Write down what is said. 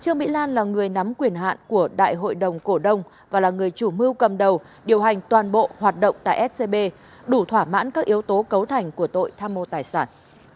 trương mỹ lan là người nắm quyền hạn của đại hội đồng cổ đông và là người chủ mưu cầm đầu điều hành toàn bộ hoạt động tại scb đủ thỏa mãn các yếu tố cấu thành của tội tham mô tài sản